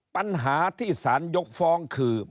ปัญหาที่สารยกฟ้องคือ